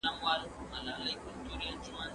ولي مرستيال ښوونکی د تدریس مرسته کوي؟